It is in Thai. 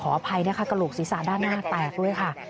อภัยนะคะกระโหลกศีรษะด้านหน้าแตกด้วยค่ะ